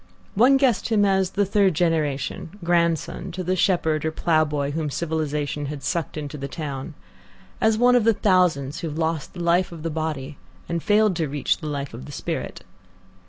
One guessed him as the third generation, grandson to the shepherd or ploughboy whom civilization had sucked into the town; as one of the thousands who have lost the life of the body and failed to reach the life of the spirit.